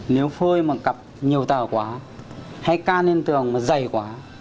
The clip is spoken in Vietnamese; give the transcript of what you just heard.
nếu phơi mà cặp nhiều tờ quá hay ca lên tường mà dày quá